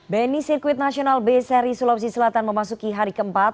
bni sirkuit nasional b seri sulawesi selatan memasuki hari keempat